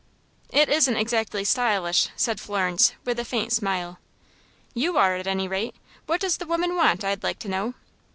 "It isn't exactly stylish," said Florence, with a faint smile. "You are, at any rate. What does the woman want, I'd like to know?"